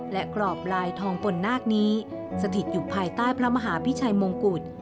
และกรอบลายทองปนนาคนี้สถิตอยู่ภายใต้พระมหาพิชัยมงกุฎ